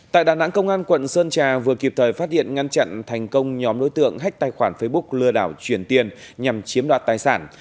tại đà nẵng công an quận sơn trà vừa kịp thời phát hiện ngăn chặn thành công nhóm đối tượng hách tài khoản facebook lừa đảo chuyển tiền nhằm chiếm đoạt tài sản